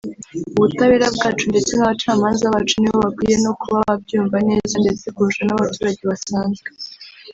Ubutabera bwacu ndetse n’Abacamanza bacu ni bo bakwiye kuba babyumva neza ndetse kurusha n’abaturage basanzwe